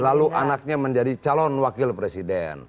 lalu anaknya menjadi calon wakil presiden